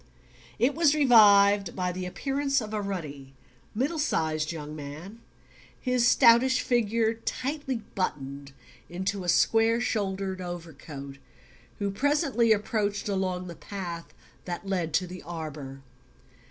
It was revived by the appearance of a ruddy middle sized young man, his stoutish figure tightly buttoned into a square shouldered over coat, who presently approached along the path that led to the arbour.